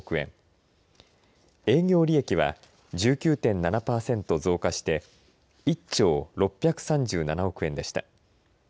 営業利益は１９．７パーセント増加して１兆６３７億円でした。